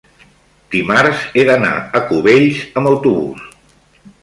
dimarts he d'anar a Cubells amb autobús.